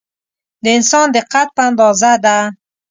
د انسان د قد په اندازه ده.